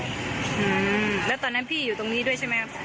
อืมแล้วตอนนั้นพี่อยู่ตรงนี้ด้วยใช่ไหมครับ